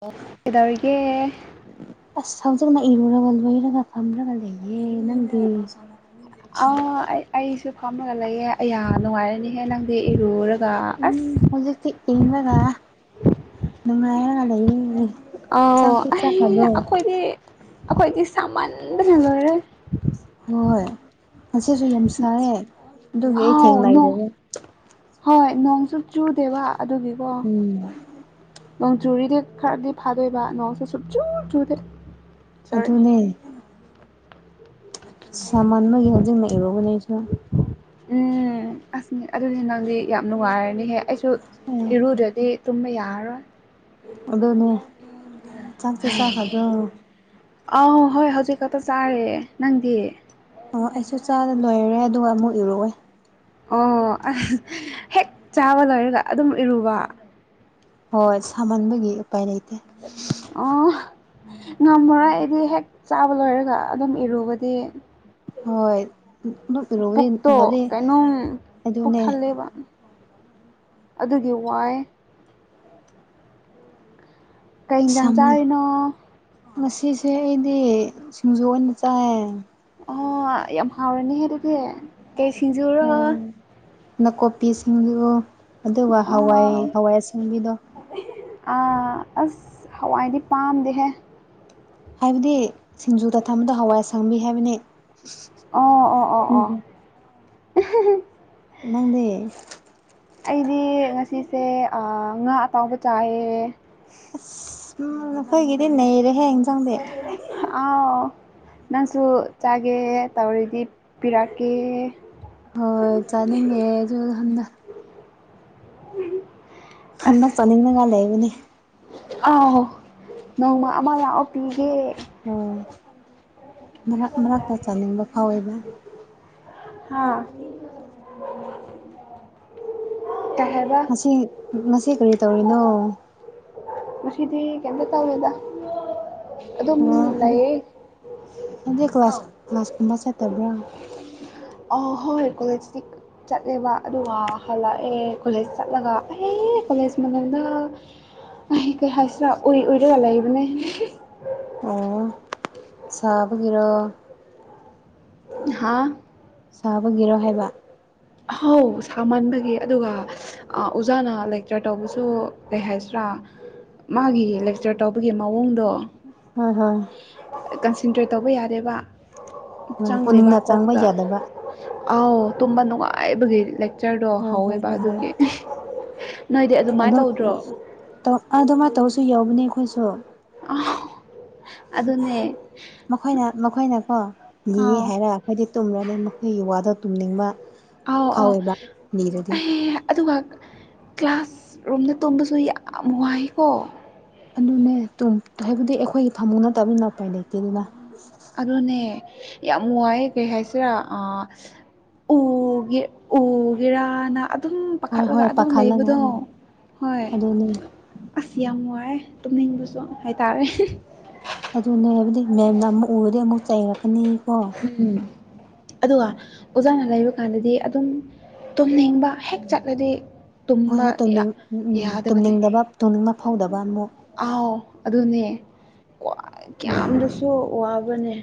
[unintelligible] ꯀꯩꯗꯧꯔꯤꯒꯦ ꯑꯁ ꯍꯧꯖꯤꯛꯅ ꯏꯔꯨꯨꯔꯒ ꯂꯣꯏꯔꯒ ꯐꯝꯔꯒ ꯂꯩꯌꯦ ꯅꯪꯗꯤ ꯑ ꯑꯩ ꯑꯩꯁꯨ ꯐꯝꯃꯒ ꯂꯩꯌꯦ ꯑꯩꯌꯥ ꯅꯨꯡꯉꯥꯏꯔꯅꯤꯍꯦ ꯅꯪꯗꯤ ꯏꯔꯨꯔꯒ ꯎꯝ ꯑꯁ ꯍꯧꯖꯤꯛꯇꯤ ꯏꯪꯉꯒ ꯅꯨꯡꯉꯥꯏꯔꯅ ꯂꯩꯔꯤ [unintelligible] ꯑ ꯑꯩ ꯑꯈꯣꯏꯗꯤ ꯑꯈꯣꯏꯗꯤ ꯁꯥꯃꯟꯗꯅ ꯂꯣꯏꯔꯦ ꯍꯣꯏ ꯉꯁꯨ ꯌꯥꯝ ꯁꯥꯏꯦ ꯑꯗꯨꯒꯤ ꯑꯩ ꯑꯥꯎ ꯅꯣꯡ ꯊꯦꯡꯅꯏꯗꯅꯦ ꯍꯣꯏ ꯅꯣꯡꯁꯨ ꯆꯨꯗꯦꯕ ꯑꯗꯨꯒꯤꯀꯣ ꯎꯝ ꯅꯣꯡ ꯆꯨꯔꯤꯗꯤ ꯈꯔꯗꯤ ꯐꯥꯗꯣꯏꯕ ꯅꯣꯡꯁꯨꯦ ꯁꯨꯞ ꯆꯨ ꯆꯨꯗꯦ ꯁꯣꯔꯤ ꯑꯗꯨꯅꯦ ꯁꯥꯃꯟꯕꯒꯤ ꯍꯧꯖꯤꯛꯅ ꯏꯔꯨꯕꯅꯦꯁꯨ ꯎꯝ ꯑꯁꯅꯤ ꯑꯗꯨꯅꯤ ꯅꯪꯗꯤ ꯌꯥꯝ ꯅꯨꯡꯉꯥꯏꯔꯅꯤꯍꯦ ꯑꯩꯁꯨ ꯑꯦ ꯏꯔꯗꯗꯤ ꯇꯨꯝꯃ ꯌꯥꯔꯣ ꯑꯗꯨꯗꯣꯅꯦ ꯆꯪꯁ ꯆ ꯈꯖ ꯑꯥꯎ ꯍꯣꯏ ꯍꯧꯖꯤꯛ ꯈꯛꯇ ꯆꯥꯔꯦ ꯅꯪꯗꯤ ꯑꯣ ꯑꯩꯁꯨ ꯆꯥꯗ ꯂꯣꯏꯔꯦ ꯑꯗꯨꯒ ꯑꯃꯨꯛ ꯏꯔꯣꯏ ꯑꯣ ꯑꯁ ꯍꯦꯛ ꯆꯥꯕ ꯂꯣꯏꯔꯒ ꯑꯗꯨꯝ ꯏꯔꯨꯕ ꯍꯣꯏ ꯁꯥꯃꯟꯕꯒꯤ ꯎꯄꯥꯏ ꯂꯩꯇꯦ ꯑ [unintelligible] ꯉꯝꯃꯔꯣ ꯑꯩꯗꯤ ꯍꯦꯛ ꯆꯥꯕ ꯂꯣꯏꯔꯒ ꯑꯗꯨꯝ ꯏꯔꯨꯕꯗꯤ ꯍꯣꯏ ꯑꯗꯨꯝ ꯏꯔꯨꯕꯗꯤ ꯄꯨꯛꯇꯣ ꯍꯥꯏꯕꯗꯤ ꯀꯩꯅꯣꯝ ꯄꯨꯛ ꯑꯗꯨꯅꯦ ꯊꯜꯂꯦꯕ ꯑꯗꯨꯒꯤ ꯋꯥꯏ ꯀꯩ ꯌꯤꯟꯖꯥꯡ ꯁꯥꯃꯟ ꯆꯥꯔꯤꯅꯣ ꯉꯁꯤꯁꯦ ꯑꯩꯗꯤ ꯁꯤꯡꯖꯨ ꯑꯣꯏꯅ ꯆꯥꯏ ꯑꯣ ꯌꯥꯝ ꯍꯥꯎꯔꯅꯤ ꯍꯥꯏꯦ ꯑꯗꯨꯗꯤ ꯀ ꯐꯤꯖꯣꯔ ꯑꯣ ꯅꯥꯀꯨꯞꯄꯤꯁꯤꯡꯗꯨ ꯑꯗꯨꯒ ꯍꯋꯥꯏ ꯑꯣ ꯍꯋꯥꯏ ꯑꯁꯪꯕꯤꯗꯣ ꯑꯁ ꯍꯋꯥꯏꯗꯤ ꯄꯥꯝꯗꯦꯍꯦ ꯍꯥꯏꯕꯗꯤ ꯁꯤꯡꯖꯨꯗ ꯊꯕꯗꯣ ꯍꯋꯥꯏ ꯑꯁꯪꯕꯤ ꯍꯥꯏꯕꯅꯤ ꯑꯣ ꯑꯣ ꯑꯣ ꯎꯝ ꯑꯣ ꯅꯪꯗꯤ ꯑꯩꯗꯤ ꯉꯁꯤꯁꯦ ꯉꯥ ꯑꯇꯥꯎꯕ ꯆꯥꯏꯌꯦ ꯑꯁ ꯎꯝ ꯅꯈꯣꯏꯒꯤꯗꯤ ꯅꯩꯔꯦꯍꯦ ꯌꯦꯟꯖꯥꯡꯗꯤ ꯑꯥꯎ ꯅꯪꯁꯨ ꯆꯥꯒꯦ ꯇꯧꯔꯤꯗꯤ ꯄꯤꯔꯛꯀꯦ ꯍꯣꯏ ꯆꯥꯅꯤꯡꯉꯦ ꯑꯗꯨ ꯍꯟꯗ ꯍꯟꯅꯛ ꯆꯥꯅꯤꯡꯅꯉꯥꯏ ꯂꯩꯕꯅꯦ ꯑ ꯅꯣꯡꯃ ꯑꯃ ꯌꯥꯥꯛꯑꯣ ꯄꯤꯒꯦ ꯑꯣ ꯃꯔꯛ ꯃꯔꯛꯇ ꯆꯥꯅꯤꯡꯕ ꯐꯥꯎꯋꯦꯕ ꯇ ꯁꯤ ꯃꯁꯤ ꯀꯔꯤ ꯇꯧꯔꯤꯅꯣ ꯃꯁꯤꯁꯤꯗꯤ ꯀꯗ ꯇꯗ ꯑꯗꯨꯝ ꯑꯣ ꯍꯧꯖꯤꯛ ꯂꯩꯌꯦ ꯍꯧꯖꯤꯛ ꯀ꯭ꯂꯥꯁ ꯀ꯭ꯂꯥꯁꯀꯨꯝꯕ ꯆꯠꯇꯕ꯭ꯔꯥ ꯑ ꯍꯣꯏ ꯀꯂꯦꯖ ꯆꯠꯂꯦꯕ ꯑꯗꯨꯒ ꯍꯜꯂꯛꯑꯦ ꯀꯣꯂꯦꯖ ꯆꯠꯂꯒ ꯑꯦ ꯀꯣꯂꯦꯖ ꯃꯃꯜꯗ ꯀꯩ ꯍꯥꯏꯁꯤꯔꯥ ꯑꯣꯏꯔꯒ ꯂꯩꯏꯕꯅꯦ ꯑꯣ ꯁꯥꯕꯒꯤꯔꯣ ꯍꯥ ꯁꯥꯕꯒꯤꯔꯣ ꯍꯥꯏꯕ ꯑꯍꯥꯎ ꯁꯥꯃꯟꯕꯒꯤ ꯑꯗꯨꯒ ꯑꯣꯖꯥꯅ ꯂꯦꯛꯆꯔ ꯇꯧꯕꯁꯨ ꯀꯩ ꯍꯥꯏꯁꯤ꯭ꯔꯥ ꯃꯥꯒꯤ ꯂꯦꯛꯆꯔ ꯇꯧꯕꯒꯤ ꯃꯑꯣꯡꯗꯣ ꯍꯣꯏ ꯍꯣꯏ ꯀꯟꯁꯦꯟꯇ꯭ꯔꯦꯠ ꯇꯧꯕ ꯌꯥꯔꯦꯕ ꯍꯣꯏ ꯆꯪꯗꯦꯕ ꯄꯨꯛꯅꯤꯡꯅ ꯆꯪꯕ ꯀꯣꯛꯇ ꯌꯥꯗꯕ ꯑꯥꯎ ꯇꯨꯝꯕ ꯅꯨꯡꯉꯥꯏꯕꯒꯤ ꯐꯛꯆꯔꯗꯣ ꯍꯣꯏ ꯍꯣꯏ ꯍꯧꯋꯦꯕ ꯍꯣꯏ ꯍꯣꯏ ꯑꯗꯨꯒꯤ ꯅꯣꯏꯗꯤ ꯑꯗꯨꯃꯥꯏꯅ ꯇꯧꯗ꯭ꯔꯣ ꯧ ꯑꯥꯗ ꯃꯥ ꯇꯧꯔꯁꯨ ꯌꯥꯎꯕꯅꯦ ꯑꯩꯈꯣꯏꯁꯨ ꯑ ꯃꯈꯣꯏꯅ ꯃꯈꯣꯏꯅꯀꯣ ꯂꯤꯌꯦ ꯑꯥꯎ ꯍꯥꯏꯔ ꯍꯥꯏꯗꯤ ꯇꯨꯝꯔꯅꯤ ꯃꯈꯣꯏꯒꯤ ꯋꯥꯗ ꯇꯨꯝꯅꯤꯡꯕ ꯑꯥꯎ ꯑꯥꯎ ꯐꯥꯎꯋꯦꯕ ꯂꯤꯔꯗꯤ ꯑꯗꯨꯒ ꯀ꯭ꯂꯥꯁ ꯔꯣꯝꯗ ꯇꯣꯝꯕꯁꯨ ꯌꯥꯝ ꯋꯥꯏꯀꯣ ꯑꯗꯨꯅꯦ ꯍꯥꯏꯕꯗꯤ ꯑꯩꯈꯣꯏꯒꯤ ꯊꯃꯨꯡ ꯅꯠꯇꯕꯅꯤꯅ ꯎꯄꯥꯏ ꯂꯩꯇꯦ ꯑꯗꯨꯅ ꯑꯗꯨꯅꯦ ꯌꯥꯝ ꯋꯥꯏꯑꯦ ꯀꯩ ꯍꯥꯏꯁꯤꯔꯥ ꯎꯒꯦ ꯎꯒꯦꯔꯥꯅ ꯑꯗꯨꯝ ꯍꯣꯏ ꯄꯥꯈꯠꯂꯒ ꯍꯣꯏ ꯑꯗꯨꯝ ꯄꯥꯈꯠꯂꯒ ꯂꯩꯕꯗꯣ ꯎꯝ ꯍꯣꯏ ꯑꯗꯨꯅꯦ ꯑꯁ ꯌꯥꯝ ꯋꯥꯏꯌꯦ ꯇꯨꯝꯅꯤꯡꯕꯁꯨ ꯍꯥꯏꯇꯥꯔꯦ ꯑꯗꯨꯅꯦ ꯍꯥꯏꯕꯗꯤ ꯃꯦꯝꯅ ꯑꯃꯨꯛ ꯎꯔꯗꯤ ꯑꯃꯨꯛ ꯆꯩꯔꯛꯀꯅꯤ ꯎꯝ ꯑꯗꯨꯒ ꯑꯣꯖꯥꯅ ꯂꯩꯕ ꯀꯥꯟꯗꯗꯤ ꯑꯗꯨꯝ ꯇꯨꯝꯅꯤꯡꯕ ꯍꯦꯛ ꯆꯠꯂꯗꯤ ꯇꯨꯝ ꯍꯣꯏ ꯍꯣꯏ ꯌꯥ ꯇꯨꯝꯅꯤꯡ ꯎꯝ ꯎꯝ ꯌꯥꯗꯕꯅꯦ ꯇꯨꯝꯅꯤꯡꯗꯕ ꯇꯨꯝꯅꯤꯡꯕ ꯐꯥꯎꯗꯕ ꯑꯃꯨꯛ ꯑꯥꯎ ꯑꯗꯨꯅꯦ ꯎꯝ ꯀꯌꯥꯝꯗꯁꯨ ꯋꯥꯕꯅꯦ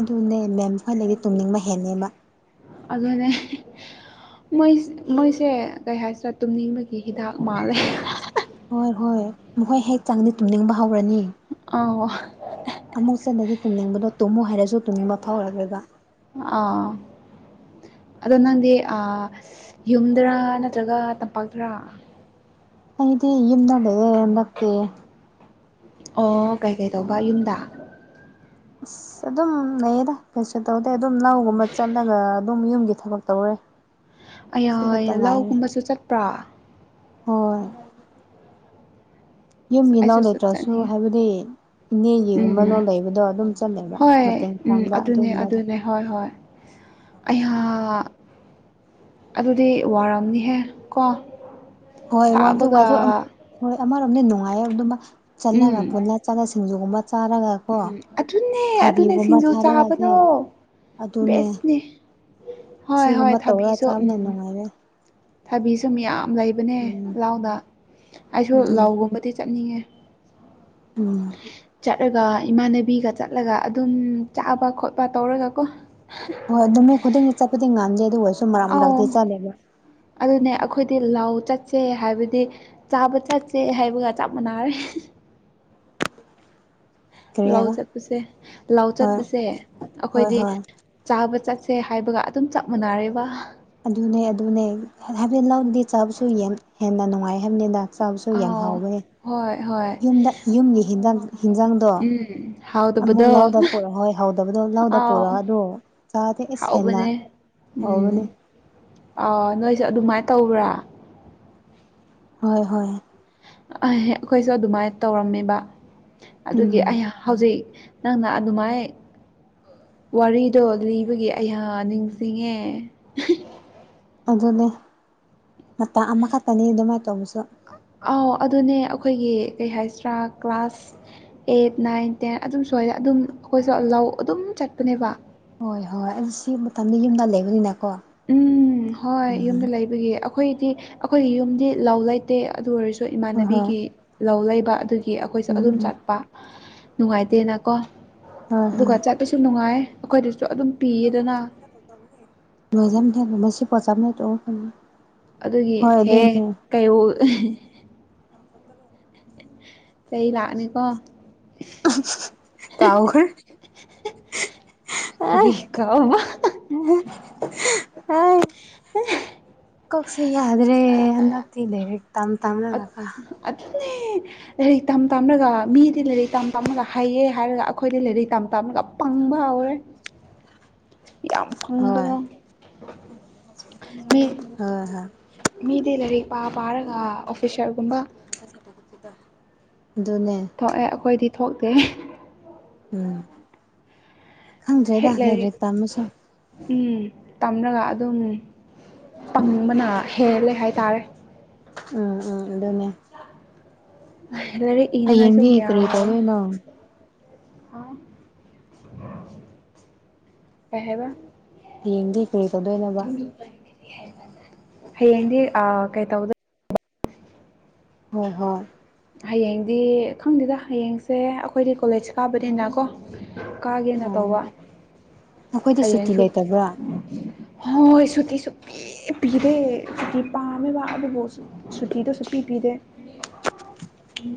ꯑꯗꯨꯅꯦ ꯃꯦꯝ ꯍꯣꯢ ꯂꯩꯗꯤ ꯇꯨꯝꯅꯤꯡꯕ ꯍꯦꯟꯅꯦꯕ ꯑꯗꯨꯅꯦ ꯃꯣꯏ ꯃꯣꯏꯁꯦ ꯀꯩ ꯍꯥꯏꯁꯤꯔꯥ ꯇꯨꯝꯅꯤꯡꯕꯒꯤ ꯍꯤꯗꯥꯛ ꯃꯥꯜꯂꯦ ꯍꯣꯏ ꯍꯣꯏ ꯃꯈꯣꯏ ꯍꯦꯛ ꯆꯥꯡꯗꯤ ꯇꯨꯝꯅꯤꯡꯕ ꯍꯧꯔꯅꯤ ꯑꯥꯎ ꯑꯃꯨꯛ ꯆꯟꯗꯗꯤ ꯇꯨꯝꯅꯤꯡꯕꯗꯣ ꯇꯨꯝꯃꯨ ꯍꯥꯏꯔꯁꯨ ꯇꯨꯝꯅꯤꯡꯕ ꯐꯥꯎꯔꯔꯣꯏꯕ ꯑꯥ ꯑꯗꯣ ꯅꯪꯗꯤ ꯑꯥ ꯌꯨꯝꯗꯔꯥ ꯅꯠꯇ꯭ꯔꯒ ꯇꯝꯄꯥꯛꯇꯔꯥ ꯑꯗꯤ ꯌꯨꯝꯗ ꯂꯩꯌꯦ ꯅꯠꯇꯦ ꯑꯣ ꯀꯩ ꯀꯩ ꯇꯧꯕ ꯌꯨꯝꯗ ꯑꯁ ꯑꯗꯨꯝ ꯂꯩꯌꯦꯗ ꯀꯩꯁꯨ ꯇꯧꯗꯦ ꯑꯗꯨꯝ ꯂꯧꯒꯨꯝꯕ ꯆꯠꯂꯒ ꯑꯗꯨꯝ ꯌꯨꯝꯒꯤ ꯊꯕꯛ ꯇꯧꯔꯦ ꯁꯤ ꯈꯛꯇ ꯑꯌꯥ ꯉꯥꯏꯔꯦ ꯂꯥꯎꯒꯨꯝꯕꯁꯨ ꯆꯠꯄ꯭ꯔꯥ ꯍꯣꯏ ꯌꯨꯝ ꯑꯁ ꯅꯥꯎ ꯑꯩꯁꯨ ꯆꯠ ꯂꯩꯇ꯭ꯔꯁꯨ ꯆꯠꯅꯤꯡꯉꯦ ꯍꯥꯏꯕꯗꯤ ꯏꯅꯦꯒꯤꯒꯨꯝꯕ ꯎꯝ ꯂꯧ ꯂꯩꯕꯗꯣ ꯑꯗꯨꯝ ꯆꯠꯂꯦꯕ ꯍꯣꯏ ꯃꯇꯦꯡ ꯎꯝ ꯄꯥꯡꯕ ꯑꯗꯨꯅꯦ ꯑꯗꯨꯒꯨꯝꯕꯗꯣ ꯑꯗꯨꯅꯦ ꯍꯣꯏ ꯍꯣꯏ ꯑꯩꯌꯥ ꯑꯗꯨꯗꯤ ꯋꯥꯔꯝꯅꯤꯍꯦ ꯀꯣ ꯍꯣꯏ [unintelligible] ꯁꯥꯕꯒ ꯍꯣꯏ ꯑꯃꯔꯣꯝꯗ ꯅꯨꯡꯉꯥꯏꯔ ꯑꯗꯨꯃ ꯎꯝ ꯆꯠꯂꯒ ꯄꯨꯜꯂ ꯆꯠꯂꯒ ꯁꯤꯡꯖꯨꯒꯨꯝꯕ ꯆꯥꯔꯒ ꯀꯣ ꯎꯝ ꯑꯗꯨꯅꯦ ꯑꯗꯨꯅꯦ ꯈꯥꯕꯤꯒꯨꯝꯕ ꯁꯤꯡꯖꯨ ꯊꯥꯔꯒꯁꯦ ꯆꯥꯕꯗꯣ ꯑꯗꯨꯅꯦ ꯕꯦꯁꯅꯦ ꯍꯣꯏ ꯍꯣꯏ ꯑꯁꯤꯒꯨꯝꯕ ꯇꯧꯔ ꯆꯥꯕꯅꯅ ꯅꯨꯡꯉꯥꯏꯔꯦ ꯊꯕꯤ ꯁꯧ ꯃꯌꯥꯝ ꯂꯩꯕꯅꯦ ꯎꯝ ꯂꯥꯎꯗ ꯑꯩꯁꯨ ꯑꯗꯨ ꯂꯥꯎꯒꯨꯝꯕꯗꯤ ꯆꯠꯅꯤꯡꯉꯦ ꯎꯝ ꯆꯠꯂꯒꯔ ꯏꯃꯥꯟꯅꯕꯤꯒ ꯆꯠꯂꯒ ꯑꯗꯨꯝ ꯆꯥꯕ ꯈꯣꯠꯄ ꯇꯧꯔꯒꯀꯣ ꯍꯣꯏ ꯄꯨꯃꯤꯠ ꯈꯨꯗꯤꯡꯒꯤ ꯆꯠꯄꯗꯤ ꯉꯥꯟꯗꯦ ꯑꯗꯨ ꯑꯣꯏꯔꯁꯨ ꯃꯔꯛ ꯑꯧ ꯃꯔꯛꯇꯤ ꯆꯠꯂꯦꯕ ꯑꯗꯨꯅꯦ ꯑꯈꯣꯏꯗꯤ ꯂꯥꯎ ꯆꯠꯁꯦ ꯍꯥꯏꯕꯗꯤ ꯆꯥꯕ ꯆꯠꯆꯦ ꯍꯥꯏꯕꯒ ꯆꯞ ꯃꯥꯟꯅꯔꯦ ꯀꯔꯤ ꯂꯥꯎ ꯍꯥꯏꯕ ꯆꯠꯄꯁꯦ ꯂꯥꯎ ꯍꯣꯏ ꯆꯠꯄꯁꯦ ꯍꯣꯏ ꯑꯩꯈꯣꯏꯗꯤ ꯍꯣꯏ ꯆꯥꯕ ꯆꯠꯁꯦ ꯍꯥꯏꯕꯒ ꯑꯗꯨꯝ ꯆꯞ ꯃꯥꯟꯅꯔꯦꯕ ꯑꯗꯨꯅꯦ ꯑꯗꯨꯅꯦ ꯍꯥꯢꯕꯗꯤ ꯂꯧꯗꯤ ꯆꯥꯕꯁꯨ ꯌꯥꯝ ꯍꯦꯟꯅ ꯅꯨꯡꯉꯥꯏ ꯍꯥꯏꯕꯅꯤꯗ ꯆꯥꯕꯁꯨ ꯌꯥꯝ ꯑꯥꯎ ꯍꯥꯎꯋꯦ ꯍꯣꯏ ꯍꯣꯏ ꯌꯨꯝꯗ ꯌꯨꯝꯒꯤ ꯍꯤꯟꯖꯥꯡ ꯍꯤꯟꯖꯥꯡꯗꯣ ꯎꯝ ꯑꯃꯨꯛ ꯍꯥꯎꯗꯕꯗꯣ ꯂꯧꯗ ꯄꯨꯔꯛ ꯍꯣꯏ ꯍꯧꯗꯕꯗꯣ ꯂꯧꯗ ꯄꯨꯔꯛ ꯑꯥꯎ ꯑꯗꯣ ꯆꯥꯗꯦ ꯑꯦꯁ ꯍꯦꯟꯅ ꯍꯥꯎꯕꯅꯦ ꯍꯧꯕꯅꯦ ꯎꯝ ꯑ ꯅꯣꯏꯁꯨ ꯑꯗꯨꯃꯥꯢ ꯇꯧꯕ꯭ꯔꯥ ꯍꯣꯏ ꯍꯣꯏ ꯑꯩꯈꯣꯏꯁꯨ ꯑꯗꯨꯃꯥ ꯇꯧꯔꯝꯃꯦꯕ ꯑꯗꯨꯒꯤ ꯎꯝ ꯑꯌꯥ ꯍꯧꯖꯤꯛ ꯅꯪꯅ ꯑꯗꯨꯃꯥꯏ ꯋꯥꯔꯤꯗꯣ ꯂꯤꯕꯒꯤ ꯑꯩ ꯅꯤꯡꯁꯤꯡꯉꯦ ꯑꯗꯨꯅꯦ ꯃꯇꯝ ꯑꯃꯈꯛꯇꯅꯤ ꯑꯗꯨꯃꯥꯏ ꯇꯧꯕꯁꯨ ꯑꯥꯎ ꯑꯗꯨꯅꯦ ꯑꯩꯈꯣꯏꯒꯤ ꯀꯩ ꯍꯥꯏꯁꯤꯔꯥ ꯀ꯭ꯂꯥꯁ ꯑꯩꯠ ꯅꯥꯏꯟ ꯇꯦꯟ ꯑꯗꯨꯝ ꯁ꯭ꯋꯥꯗ ꯑꯗꯨꯝ ꯑꯩꯈꯣꯏꯁꯨ ꯂꯧ ꯑꯗꯨꯝ ꯆꯠꯄꯅꯦꯕ ꯍꯣꯏ ꯍꯣꯏ ꯑꯗꯨ ꯁꯤ ꯃꯇꯝꯗ ꯌꯨꯝꯗ ꯂꯩꯕꯅꯤꯅꯀꯣ ꯎꯝ ꯍꯣꯏ ꯎꯝ ꯌꯨꯝꯗ ꯂꯩꯕꯒꯤ ꯑꯩꯈꯣꯏꯗꯤ ꯑꯩꯈꯣꯏꯒꯤ ꯌꯨꯝꯗꯤ ꯂꯥꯎ ꯂꯩꯇꯦ ꯑꯗꯨ ꯑꯣꯏꯔꯁꯨ ꯁꯨ ꯍꯣꯏ ꯍꯣꯏ ꯏꯃꯥꯟꯅꯕꯤꯒꯤ ꯂꯧ ꯂꯩꯕ ꯑꯗꯨꯒꯤ ꯑꯩꯈꯣꯏꯁꯨ ꯎꯝ ꯑꯗꯨꯝ ꯎꯝ ꯆꯠꯄ ꯅꯨꯡꯉꯥꯏꯇꯦꯅꯀꯣ ꯍꯣꯏ ꯑꯗꯨꯒ ꯍꯣꯏ ꯆꯠꯄꯁꯨ ꯅꯨꯡꯉꯥꯏ ꯑꯩꯈꯣꯏꯗꯁꯨ ꯑꯗꯨꯝ ꯄꯤꯌꯦꯗꯅ ꯂꯣꯏꯖꯝ ꯊ ꯃꯁꯤ ꯄꯆꯝꯅ ꯇ ꯑꯗꯨꯒꯤ ꯍꯦ ꯀꯩ ꯑꯦ ꯆꯩ ꯂꯥꯛꯑꯅꯤꯀꯣ ꯀꯥꯎꯈ꯭ꯔꯦ ꯀꯔꯤ ꯀꯥꯎꯕ ꯍ [unintelligible] ꯀꯣꯛꯁꯦ ꯌꯥꯗ꯭ꯔꯦ ꯍꯟꯗꯛꯇꯤ ꯂꯥꯏꯔꯤꯛ ꯇꯝ ꯇꯝꯂꯒꯀ ꯑꯗꯨꯅꯦ ꯂꯥꯏꯔꯤꯛ ꯇꯝ ꯇꯝꯂꯒ ꯃꯤꯗꯤ ꯂꯥꯏꯔꯤꯛ ꯇꯝ ꯇꯝꯃꯒ ꯍꯩꯌꯦ ꯍꯥꯏꯔꯒ ꯑꯩꯈꯣꯏꯗꯤ ꯂꯥꯏꯔꯤꯛ ꯇꯝ ꯇꯝꯂꯒ ꯄꯪꯕ ꯍꯧꯔꯦ ꯌꯥꯝ ꯍꯣꯏ ꯐꯪꯕꯗꯣ ꯃꯤ ꯍꯣꯏ ꯍꯣꯏ ꯃꯤꯗꯤ ꯂꯥꯏꯔꯤꯛ ꯄꯥ ꯄꯥꯔꯒ ꯑꯣꯐꯤꯁꯔꯒꯨꯝꯕ ꯑꯗꯨꯅꯦ ꯊꯣꯛꯑꯦ ꯑꯩꯈꯣꯏꯗꯤ ꯊꯣꯛꯇꯦ ꯎꯝ ꯈꯪꯗ꯭ꯔꯦꯗ ꯍꯦꯛ ꯂꯥꯏꯔꯤꯛ ꯗꯥꯔꯤꯛ ꯇꯥ ꯑꯃꯁꯨ ꯎꯝ ꯇꯝꯔꯒ ꯑꯗꯨꯝ ꯄꯪꯕꯅ ꯍꯦꯜꯂꯦ ꯍꯥꯏꯇꯥꯔꯦ ꯎꯝ ꯎꯝ ꯑꯗꯨꯅꯦ ꯂꯥꯏꯔꯤꯛ ꯏꯅꯉꯥꯏꯁꯨ ꯍꯌꯦꯡꯗꯤ ꯃꯌꯥꯝ ꯀꯔꯤ ꯇꯧꯗꯣꯏꯅꯣ ꯥꯎ ꯀꯩꯍꯕ ꯍꯌꯦꯡꯗꯤ ꯀꯔꯤ ꯇꯧꯗꯣꯏꯅꯣꯕ ꯍꯌꯦꯡꯗꯤ ꯀꯩ ꯇꯧꯗ ꯍꯣꯏ ꯍꯣꯏ ꯍꯌꯦꯡꯗꯤ ꯈꯪꯗꯦꯗ ꯍꯌꯦꯡꯁꯦ ꯑꯩꯈꯣꯏꯗꯤ ꯀꯣꯂꯦꯖ ꯀꯥꯕꯅꯤꯅ ꯀꯣ ꯀꯥꯒꯦꯅ ꯎꯝ ꯇꯧꯕ ꯑꯩꯈꯣꯏꯗꯤ ꯍꯥꯏ ꯁꯨꯇꯤ ꯍꯥꯏꯁꯨ ꯂꯩꯇꯕ꯭ꯔꯥ ꯍꯣꯏ ꯁꯨꯇꯤꯁꯨ ꯄꯤꯗꯦ ꯁꯨꯇꯤ ꯄꯥꯝꯃꯤꯕ ꯑꯗꯨꯕꯨ ꯁꯨꯇꯤꯗꯨꯁꯨ ꯄꯤꯕꯤꯗꯦ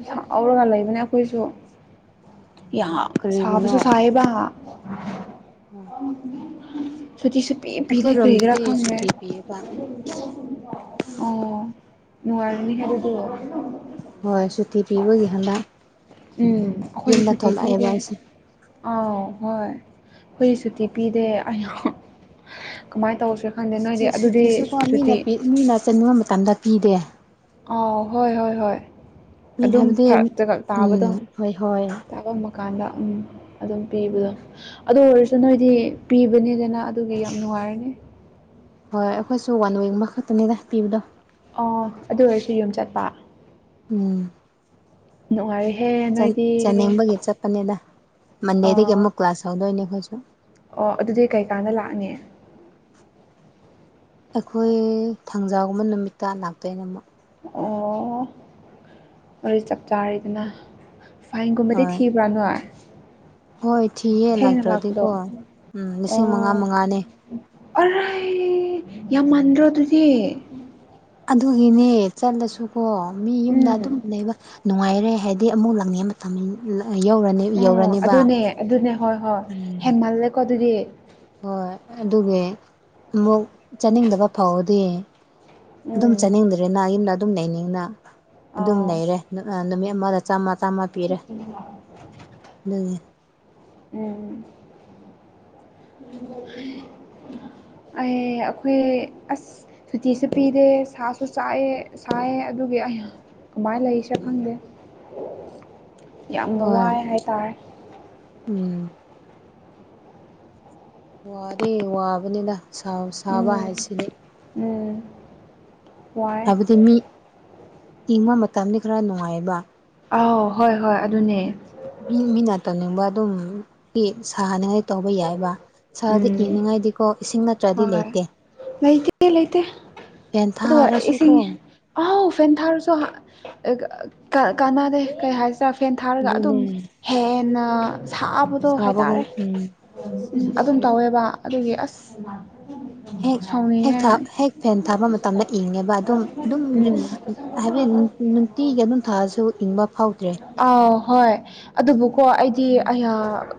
ꯁꯥꯎꯔꯒ ꯂꯩꯕꯅꯦ ꯑꯩꯈꯣꯏꯁꯨ ꯌꯥꯝ ꯁꯥꯕꯁꯨ ꯁꯥꯏꯌꯦꯕ ꯎꯝ ꯁꯨꯇꯤ ꯁꯨ ꯄꯤꯗꯦ ꯄꯤꯒꯦꯔ ꯑꯩꯈꯣꯏꯔꯣꯝꯗꯗꯤ ꯈꯪꯗꯦ ꯁꯨꯇꯤ ꯄꯤꯌꯦꯕ ꯑꯣ ꯅꯨꯡꯉꯤꯏꯔꯅꯤꯍꯦ ꯗꯨꯗꯤ ꯍꯣꯏ ꯁꯨꯇꯤ ꯄꯤꯕꯒꯤ ꯍꯟꯗꯛ ꯎꯝ ꯑꯩꯈꯣꯏꯗꯤ ꯌꯨꯝꯗ ꯁꯨꯇꯤ ꯊꯣꯛꯂꯛꯑꯦꯕ ꯄꯤꯗꯦ ꯑꯩꯁꯦ ꯑꯥꯎ ꯍꯣꯏ ꯑꯩꯈꯣꯏ ꯁꯨꯇꯤ ꯄꯤꯗꯦ ꯑꯩ ꯀꯃꯥꯏꯅ ꯇꯧꯁꯦ ꯁꯨꯇꯤꯁꯨꯀꯣ ꯃꯤꯅ ꯃꯤꯅ ꯆꯟꯅꯤꯡꯕ ꯃꯇꯝꯗ ꯄꯤꯗꯦ ꯑꯥꯎ ꯍꯣꯏ ꯍꯣꯏ ꯍꯣꯏ ꯃꯤ ꯑꯗꯨꯝ ꯍꯥꯏꯕꯗꯤ ꯐꯔꯛꯖꯒ ꯎꯝ ꯍꯣꯏ ꯍꯣꯏ ꯇꯥꯕꯗꯣꯥꯐꯝ ꯀꯥꯟꯗ ꯎꯝ ꯑꯗꯨꯝ ꯄꯤꯕꯗꯣ ꯑꯗꯨ ꯑꯣꯏꯔꯁꯨ ꯅꯣꯏꯗꯤ ꯄꯤꯕꯅꯤꯗꯅ ꯑꯗꯨꯒ ꯌꯥꯝ ꯅꯨꯡꯉꯥꯏꯔꯅꯤ ꯍꯣꯏ ꯑꯩꯈꯣꯏꯁꯨ ꯋꯥꯟ ꯋꯤꯛ ꯃꯈꯛꯇꯅꯤꯗ ꯄꯤꯕꯗꯣ ꯑꯣ ꯑꯗꯨ ꯑꯣꯏꯔꯁꯨ ꯌꯨꯝ ꯆꯠꯄ ꯎꯝ ꯅꯨꯡꯉꯥꯏꯍꯦ ꯆꯥꯅꯤꯡꯕꯒꯤ ꯆꯠꯄꯅꯤꯗ ꯃꯟꯗꯦꯗꯒꯤ ꯑꯣ ꯑꯃꯨꯛ ꯀ꯭ꯂꯥꯁ ꯍꯧꯗꯣꯏꯅꯦ ꯑꯩꯈꯣꯏꯁꯨ ꯑꯣ ꯑꯗꯨꯗꯤ ꯀꯩꯀꯥꯟꯗ ꯂꯥꯛꯅꯤ ꯑꯩꯈꯣꯏ ꯊꯥꯡꯖꯥꯒꯨꯝꯕ ꯅꯨꯃꯤꯠꯇ ꯂꯥꯛꯇꯣꯏꯅ ꯑꯃꯨꯛ ꯑꯣ ꯋꯥꯔꯤ ꯆꯞ ꯆꯥꯔꯤꯗꯅ ꯐꯥꯏꯟꯒꯨꯝꯕꯗꯤ ꯍꯣꯏ ꯊꯤꯕ꯭ꯔꯥ ꯅꯣꯏ ꯍꯣꯏ ꯊꯤꯌꯦ ꯊꯥꯠꯅꯥ ꯂꯛꯄꯗ ꯂꯥꯛꯇ꯭ꯔꯗꯤꯀꯣ ꯎꯝ ꯂꯤꯁꯤꯡ ꯃꯉꯥ ꯑꯣ ꯃꯉꯥꯅꯦ ꯑꯔꯥꯏ ꯌꯥꯝ ꯃꯥꯟꯗ꯭ꯔꯣ ꯑꯗꯨꯗꯤ ꯑꯗꯨꯒꯤꯅꯦ ꯆꯠꯂꯁꯨꯀꯣ ꯃꯤ ꯌꯨꯝꯗ ꯑꯗꯨꯝ ꯎꯝ ꯂꯩꯕ ꯅꯨꯡꯉꯥꯏꯔꯦ ꯍꯥꯏꯗꯤ ꯑꯃꯨꯛ ꯂꯪꯅꯤꯡ ꯃꯇꯝ ꯌꯧꯔꯅꯤ ꯎ ꯌꯧꯔꯅꯤꯕ ꯑꯗꯨꯅꯦ ꯑꯗꯨꯅꯦ ꯍꯣꯏ ꯍꯣꯏ ꯎꯝ ꯍꯦꯟꯃꯜꯂꯦꯀꯣ ꯑꯗꯨꯗꯤ ꯍꯣꯏ ꯑꯗꯨꯒꯤ ꯑꯃꯨꯛ ꯆꯥꯅꯤꯡꯗꯕ ꯐꯥꯎꯕꯗꯤ ꯑꯗꯨꯝ ꯎꯝ ꯆꯥꯅꯤꯡꯗ꯭ꯔꯦꯅ ꯌꯨꯝꯗ ꯑꯗꯨꯝ ꯂꯩꯅꯤꯡꯅ ꯑꯗꯨꯝ ꯑꯥꯎ ꯂꯩꯔꯦ ꯅꯨꯃꯤꯠ ꯑꯃꯗ ꯆꯥꯝꯃ ꯆꯥꯝꯃ ꯄꯤꯔꯦ ꯑꯗꯨꯅꯦ ꯎꯝ ꯑꯩ ꯑꯩꯈꯣꯏ ꯑꯁ ꯁꯨꯇꯤꯁꯨ ꯄꯤꯗꯦ ꯁꯥꯁꯨ ꯆꯥꯛꯑꯦ ꯁꯥꯏꯑꯦ ꯑꯗꯨꯒꯤ ꯀꯃꯥꯏꯅ ꯂꯩꯁꯦ ꯈꯪꯗꯦ ꯌꯥꯝꯅ ꯍꯣꯏ ꯋꯥꯏ ꯍꯥꯏꯇꯥꯔꯦ ꯎꯝ ꯋꯥꯔ ꯋꯥꯕꯅꯤꯅ ꯁꯥꯕ ꯎꯝ ꯍꯥꯏꯁꯤꯗꯤ ꯎꯝ ꯋꯥꯏ ꯍꯥꯏꯕꯗꯤ ꯃꯤ ꯏꯪꯕ ꯃꯇꯝꯗ ꯈꯔ ꯅꯨꯡꯉꯥꯏꯕ ꯑꯥꯎ ꯍꯣꯏ ꯍꯣꯏ ꯑꯗꯨꯅꯦ ꯃꯤ ꯃꯤꯅꯥ ꯇꯧꯅꯤꯡꯕ ꯑꯗꯨꯝ ꯁꯥꯍꯟꯅꯤꯡꯉꯥꯏ ꯇꯧꯕ ꯌꯥꯏꯕ ꯁꯥꯗꯤ ꯎꯝ ꯏꯪꯅꯤꯡꯉꯥꯏꯗꯤꯀꯣ ꯏꯁꯤꯡ ꯅꯠꯇ꯭ꯔꯗꯤ ꯍꯣꯏ ꯂꯩꯇꯦ ꯂꯩꯇꯦ ꯂꯩꯇꯦ ꯐꯦꯟ ꯑꯗꯨꯒ ꯊꯥꯔꯁꯨꯀꯣ ꯏꯁꯤꯡ ꯑ ꯎ ꯐꯦꯟ ꯊꯥꯔꯁꯨ ꯀꯥꯟꯅꯗꯦ ꯀꯩ ꯍꯥꯏ ꯆꯔ ꯐꯦꯟ ꯊꯥꯔꯒ ꯑꯗꯨꯝ ꯑꯗꯨꯅꯦ ꯍꯦꯟꯅ ꯁꯥꯕꯗꯣ ꯁꯥꯕꯒ ꯍꯥꯏꯇꯥꯔꯦ ꯎꯝ ꯑꯗꯨꯝ ꯇꯧꯋꯦꯕ ꯑꯗꯨꯒꯤ ꯑꯁ ꯍꯦꯛ ꯍꯦꯛ ꯁꯥꯎꯅꯤꯡꯉꯦ ꯍꯦꯛ ꯐꯦꯟ ꯊꯥꯕ ꯃꯇꯝꯗ ꯏꯪꯉꯦꯕ ꯑꯗꯨꯝ ꯑꯗꯨꯝ ꯎꯝ ꯍꯥꯏꯕꯗꯤ ꯅꯨꯡꯇꯤꯒꯤ ꯑꯗꯨꯝ ꯊꯥꯑꯁꯨ ꯏꯪꯕ ꯐꯥꯎꯗ꯭ꯔꯦ ꯑꯥꯎ ꯍꯣꯏ ꯑꯗꯨꯕꯨꯀꯣ ꯑꯩꯗꯤ ꯑꯩ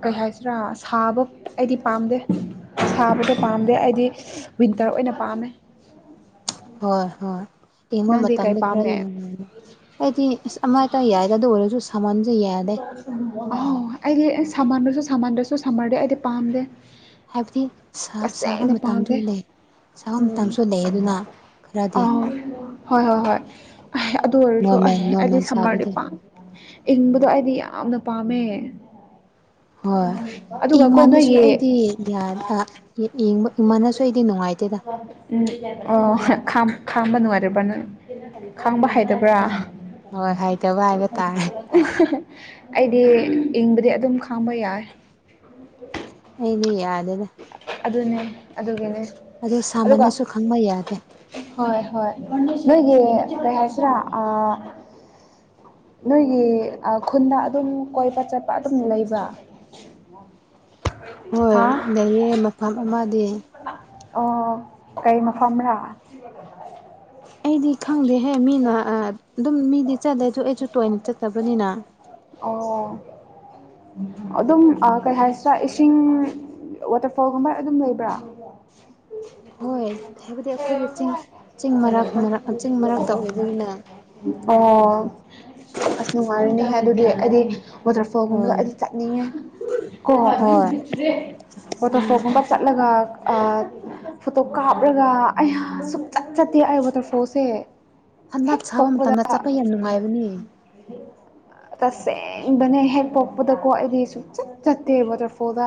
ꯀꯩ ꯍꯥꯏꯁꯤꯔꯥ ꯁꯥꯕ ꯑꯩꯗꯤ ꯄꯥꯝꯗꯦ ꯁꯥꯕꯗ ꯄꯥꯝꯗꯦ ꯑꯩꯗꯤ ꯋꯤꯟꯇꯔ ꯑꯣꯏꯅ ꯄꯥꯝꯃꯦ ꯍꯣꯏ ꯍꯣꯏ ꯏꯃ ꯅꯪꯗꯤ ꯀꯩ ꯃꯇꯝꯥꯡꯗ ꯄꯥꯝꯃꯦ ꯈꯔꯗꯤꯅ ꯑꯩꯗꯤ ꯑꯁ ꯑꯃꯇꯥ ꯌꯥꯏꯗ ꯑꯗꯨ ꯑꯣꯏꯔꯁꯨ ꯁꯥꯃꯟꯁꯦ ꯌꯥꯂꯦ ꯑ ꯑꯩꯗꯤ ꯁꯃꯟꯕꯁꯨ ꯁꯝꯃꯟꯗꯁꯨ ꯁꯝꯃꯔꯗꯤꯦ ꯑꯩꯗꯤ ꯄꯥꯝꯗꯦ ꯍꯥꯏꯕꯗꯤ ꯁꯥꯕ ꯇꯁꯦꯡꯅ ꯄꯥꯝꯗꯦ ꯃꯇꯝꯗꯨꯅꯦ ꯎꯝ ꯑ ꯈꯔꯗꯤ ꯍꯣꯏ ꯍꯣꯏ ꯍꯣꯏ ꯑꯗꯨ ꯑꯣꯏꯔꯁꯨ ꯅꯣꯔꯃꯦꯜ ꯑꯩ ꯑꯩꯗꯤ ꯅꯣꯔꯃꯦꯜ ꯁꯝꯃꯔꯗꯤ ꯁꯥꯕꯗꯣ ꯄꯥꯝꯪ ꯑꯗ ꯑꯩꯗꯤ ꯌꯥꯝꯅ ꯄꯥꯝꯃꯦ ꯍꯣꯏ ꯑꯗꯨꯒ ꯀꯣ ꯏꯃꯥꯟꯗꯁꯨ ꯅꯣꯏꯒꯤ ꯑꯩꯗꯤ ꯌꯦꯡꯕ ꯏꯃꯅꯁꯨ ꯑꯩꯗꯤ ꯅꯨꯡꯉꯥꯏꯇꯦꯗ ꯎꯝ ꯑꯣ ꯈꯥꯡꯕ ꯅꯨꯡꯉꯥꯏꯇꯕ꯭ꯔꯥ ꯅꯪ ꯈꯥꯡꯕ ꯍꯥꯏꯩꯗꯕ꯭ꯔꯥ ꯍꯣꯏ ꯍꯥꯏꯇꯕ ꯍꯥꯏꯕ ꯇꯥꯔꯦ ꯑꯩꯗꯤ ꯏꯪꯕꯗꯤ ꯑꯗꯨꯝ ꯈꯥꯡꯕ ꯌꯥꯏ ꯑꯅꯦ ꯌꯥꯔꯅꯦ ꯑꯗꯨꯅꯦ ꯑꯗꯨꯒꯤꯅꯦ ꯑꯗꯣ ꯑꯗꯨꯒ ꯁꯥꯃꯟꯅꯁꯨ ꯈꯪꯕ ꯌꯥꯗꯦ [inaudible] ꯍꯣꯏ ꯍꯣꯏ ꯅꯣꯏꯒꯤ ꯀꯩ ꯍꯥꯏꯁꯤꯔꯥ ꯅꯣꯏꯒꯤ ꯈꯨꯟꯗ ꯑꯗꯨꯝ ꯀꯣꯏꯕ ꯆꯠꯄ ꯑꯗꯨꯝ ꯂꯩꯕ꯭ꯔ ꯍꯣꯏ ꯍꯥ ꯂꯩꯌꯦ ꯃꯐꯝ ꯑꯃꯗꯤ [unintelligible] [inaudible] ꯑꯣ ꯀꯩ ꯃꯐꯝꯔꯥ [unintelligible] [inaudible] ꯑꯩꯗꯤ ꯈꯪꯗꯦꯍꯦ ꯃꯤꯅ ꯑꯗꯨꯝ ꯃꯤꯗꯤ ꯆꯠꯂꯦ ꯑꯗꯨ ꯑꯩꯁꯨ ꯇꯣꯏꯅ ꯆꯠꯇꯕꯅꯤꯅ ꯑꯣ ꯑꯗꯨꯝ ꯀꯩ ꯍꯥꯏꯁꯤꯔꯥ ꯏꯁꯤꯡ ꯋꯥꯇꯔꯐꯣꯜꯒꯨꯝꯕ ꯑꯗꯨꯝ ꯂꯩꯕ꯭ꯔꯥ ꯍꯣꯏ ꯍꯥꯏꯕꯗꯤ ꯑꯩꯈꯣꯏꯒꯤ ꯆꯤꯡ [inaudible] ꯕꯨꯅ ꯑꯣ ꯑꯁ ꯅꯨꯡꯉꯥꯏꯔꯤꯅꯦ ꯍꯥꯏ ꯑꯗꯨꯗꯤ ꯑꯩꯗꯤ ꯋꯥꯇꯔꯐꯣꯜꯒꯨꯝꯕꯗ ꯍꯣꯏ ꯑꯩꯗꯤ ꯆꯠꯅꯤꯡꯉꯦ ꯀꯣ ꯍꯣꯏ ꯎꯝ ꯋꯥꯇꯔꯐꯣꯜꯒꯨꯝꯕ ꯆꯠꯂꯒ ꯐꯣꯇꯣ ꯀꯥꯞꯂꯒ ꯑꯩ ꯁꯨꯡꯛꯆꯠ ꯆꯠꯇꯦ ꯑꯩ ꯋꯥꯇꯔꯐꯣꯜꯁꯦ ꯍꯟꯗꯛ ꯍꯦꯛ ꯁꯥꯕ ꯃꯇꯝꯗ ꯆꯠꯄ ꯌꯥꯝ ꯅꯨꯡꯉꯥꯏꯕꯅꯦ ꯍ [inaudible] ꯇꯁꯦꯡꯕꯅꯦ ꯍꯦꯛ ꯄꯣꯛꯄꯗꯀꯣ ꯑꯩꯗꯤ ꯁꯨꯆꯠ ꯆꯠꯇꯦ ꯋꯥꯇꯔꯐꯣꯜꯗ